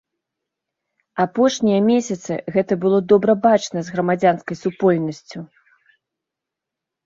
Апошнія месяцы гэта было добра бачна з грамадзянскай супольнасцю.